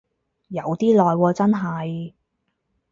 有啲耐喎真係